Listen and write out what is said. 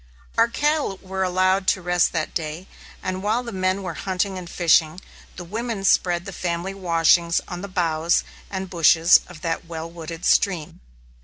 Our cattle were allowed to rest that day; and while the men were hunting and fishing, the women spread the family washings on the boughs and bushes of that well wooded stream.